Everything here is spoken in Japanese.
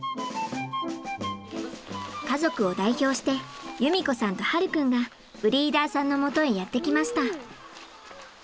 家族を代表して優美子さんと葉琉君がブリーダーさんのもとへやって来ました。